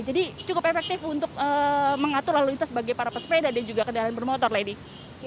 jadi cukup efektif untuk mengatur lalu lintas sebagai para pesepeda dan juga kendaraan bermotor lady